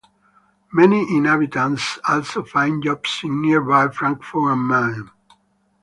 Many inhabitants also find jobs in nearby Frankfurt am Main.